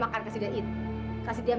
ibu nggak mau tahu dong